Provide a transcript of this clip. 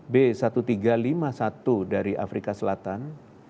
b satu tiga lima satu dari afrika selatan